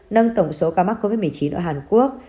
nâng tổng số ca mắc covid một mươi chín ở hàn quốc